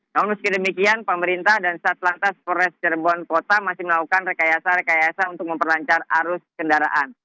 namun meski demikian pemerintah dan satlantas forest cirebon kota masih melakukan rekayasa rekayasa untuk memperlancar arus kendaraan